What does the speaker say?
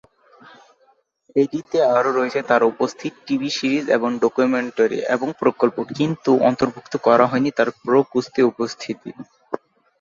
এটিতে আরো রয়েছে তার উপস্থাপিত টিভি সিরিজ এবং ডকুমেন্টারি এবং প্রকল্প; কিন্তু অন্তর্ভুক্ত করা হয়নি তার প্রো-কুস্তি উপস্থিতি।